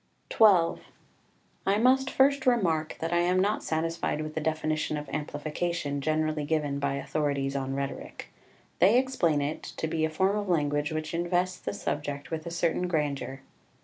XII I must first remark that I am not satisfied with the definition of amplification generally given by authorities on rhetoric. They explain it to be a form of language which invests the subject with a certain grandeur.